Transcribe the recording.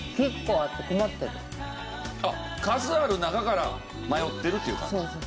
あっ数ある中から迷っているという感じ？